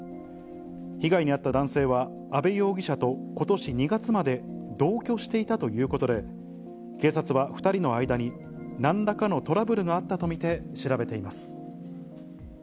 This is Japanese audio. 被害に遭った男性は、阿部容疑者とことし２月まで同居していたということで、警察は２人の間になんらかのトラブルがあったと見て調べています。